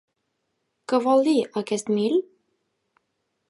Què vol dir, aquest mil?